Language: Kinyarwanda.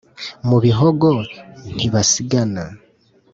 mu bihogo ntibasigana